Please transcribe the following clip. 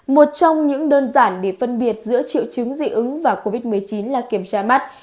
một trong những đơn giản để phân biệt giữa triệu chứng dị ứng và covid một mươi chín là kiểm tra mắt